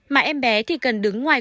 mà em bé thì cần đứng ngoài